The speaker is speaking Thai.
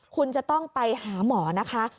คุณจะต้องไปหาหมอนะคะ